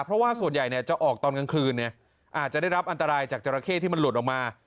เพราะว่าส่วนใหญ่จะออกตอนกลางคืนอาจจะได้รับอันตรายจากจราเข้ที่มันหลุดออกมา